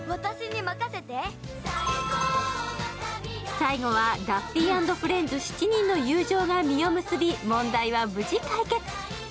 最後はダッフィー＆フレンズ７人の友情が実を結び問題は無事解決。